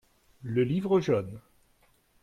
Le livre jaune.